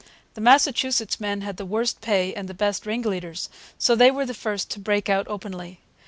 The Massachusetts men had the worst pay and the best ringleaders, so they were the first to break out openly.